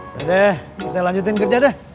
deh kita lanjutin kerja deh